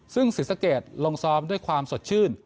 ซึ่งศรีสะเกดลงซ้อมด้วยความสดชื่น